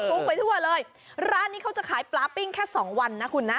ไปทั่วเลยร้านนี้เขาจะขายปลาปิ้งแค่สองวันนะคุณนะ